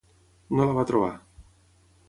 No la va trobar.